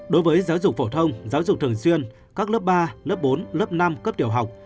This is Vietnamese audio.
đối với giáo dục phổ thông giáo dục thường xuyên các lớp ba lớp bốn lớp năm cấp tiểu học